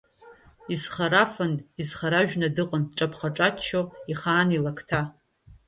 Изхарафан, изхаражәны дыҟан, дҿаԥха-ҿаччон, ихаан илакҭа.